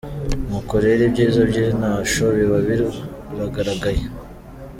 Nuko rero “ibyiza by’i Nasho” biba biragaragaye!